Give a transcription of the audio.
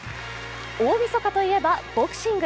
大みそかといえば、ボクシング。